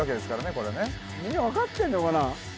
これねみんな分かってんのかな？